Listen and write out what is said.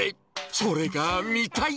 それが見たい。